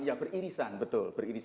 ya beririsan betul